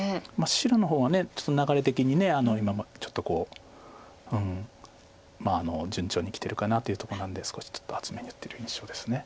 白の方がちょっと流れ的に今ちょっとまあ順調にきてるかなというとこなんで少しちょっと厚めに打ってる印象です。